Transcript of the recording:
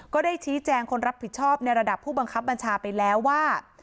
ก็ได้ชี้แจงคนรับผิดชอบในระดับผู้บังคับบัญชาไปแล้วว่า